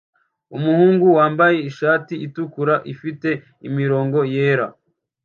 Umuhungu wambaye ishati itukura ifite imirongo yera